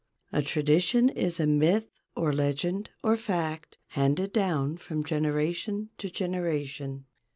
A tradition is a myth or legend or fact handed down from generation to generation.